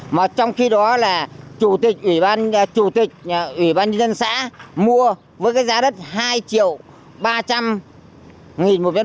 mà trong khi đó là chủ tịch ủy ban chủ tịch ủy ban dân xã mua với cái giá đất hai triệu ba trăm linh nghìn một m hai